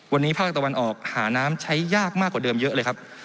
วันนี้ภาคตะวันออกหาน้ำใช้ยากมากกว่าเดิมเยอะเลยครับ